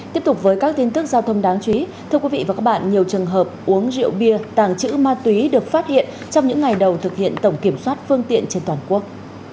tiếp tục với các tin tức giao thông đáng chú ý thưa quý vị và các bạn nhiều trường hợp uống rượu bia tàng trữ ma túy được phát hiện trong những ngày đầu thực hiện tổng kiểm soát phương tiện trên toàn quốc